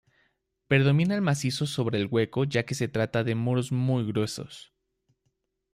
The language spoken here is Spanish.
Predomina el macizo sobre el hueco, ya que se trata de muros muy gruesos.